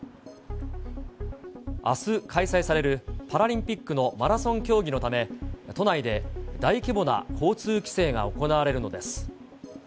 あす開催されるパラリンピックのマラソン競技のため、都内で大規模な交通規制が行われるのです。